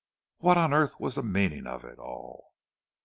What on earth was the meaning of it all?